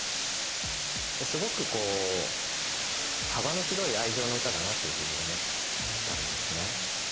すごくこう幅の広い愛情の歌だなというふうに思ったんですね。